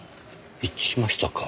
一致しましたか。